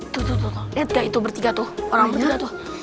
tuh tuh lihat nggak itu bertiga tuh orang bertiga tuh